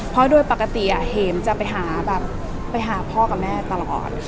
เพราะโดยปกติเห็มจะไปหาแบบไปหาพ่อกับแม่ตลอด